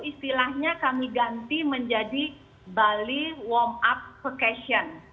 istilahnya kami ganti menjadi bali warm up vocation